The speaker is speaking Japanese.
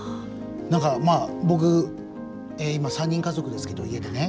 何か僕今３人家族ですけど家でね。